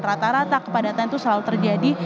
rata rata kepadatan itu selalu terjadi